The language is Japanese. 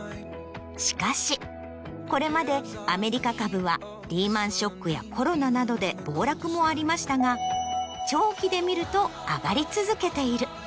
しかしこれまでアメリカ株はリーマンショックやコロナなどで暴落もありましたが長期で見ると上がり続けている。